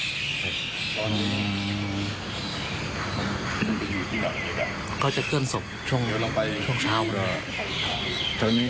เพราะว่าทุกอย่างจะเก็บไป